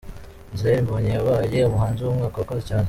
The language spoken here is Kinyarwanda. Israel Mbonyi yabaye umuhanzi w'umwaka wakoze cyane.